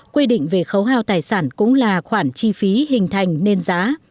quy định về khấu hao tài sản cũng là khoản chi phí hình thành nên giá